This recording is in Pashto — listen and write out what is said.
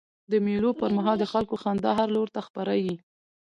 د مېلو پر مهال د خلکو خندا هر لور ته خپره يي.